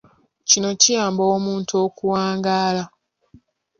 Kino kiyamba omuntu okuwangaala.